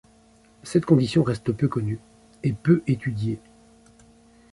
Cette condition reste peu connue et peu étudiée.